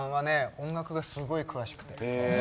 音楽がすごい詳しくて。